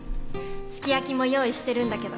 すき焼きも用意してるんだけど。